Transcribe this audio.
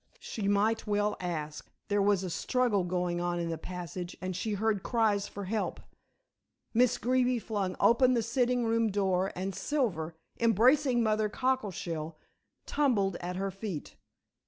She might well ask. There was a struggle going on in the passage, and she heard cries for help. Miss Greeby flung open the sitting room door, and Silver, embracing Mother Cockleshell, tumbled at her feet.